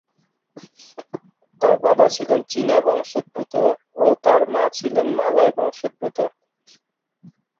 তার বাবা ছিলেন চীনা বংশোদ্ভূত ও তার মা ছিলেন মালয় বংশোদ্ভূত।